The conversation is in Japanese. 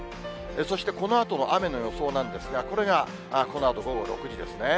そしてこのあとの雨の予想なんですが、これがこのあと午後６時ですね。